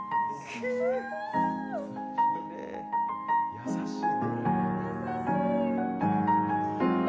優しい。